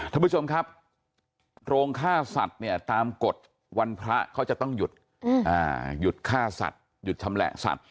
ท่านผู้ชมครับโรงฆ่าสัตว์เนี่ยตามกฎวันพระเขาจะต้องหยุดหยุดฆ่าสัตว์หยุดชำแหละสัตว